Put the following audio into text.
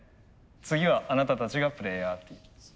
次はあなたたちがプレーヤーってことで。